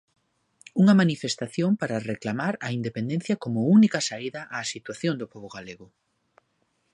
Unha manifestación para reclamar a independencia como única saída á situación do pobo galego.